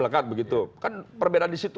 melekat begitu kan perbedaan disitu